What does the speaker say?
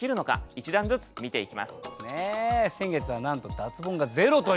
一段ずつ見ていきます。